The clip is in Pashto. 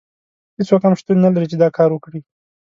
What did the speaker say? هیڅوک هم شتون نه لري چې دا کار وکړي.